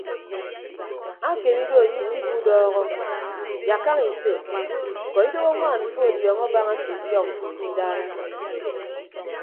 Akeme ido anye ikpiku udọọhọ yak kaña ise ñkọ idoho añwaan mfọ ọdiọñọ abaña ndudiọ mfo ye idara.